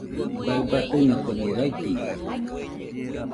Baɨ batɨnokoni raitɨitɨkue.